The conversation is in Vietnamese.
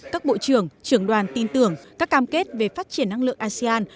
các bộ trưởng trưởng đoàn tin tưởng các cam kết về phát triển năng lượng asean